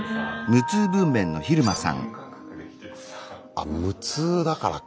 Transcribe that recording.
あっ無痛だからか。